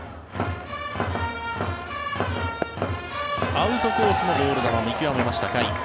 アウトコースのボール球見極めました、甲斐。